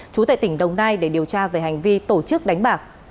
chú tại tỉnh đồng nai để điều tra về hành vi tổ chức đánh bạc